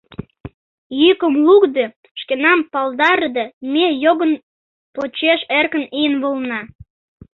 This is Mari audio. Йӱкым лукде, шкенам палдарыде, ме йогын почеш эркын ийын волена.